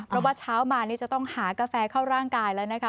เพราะว่าเช้ามานี่จะต้องหากาแฟเข้าร่างกายแล้วนะคะ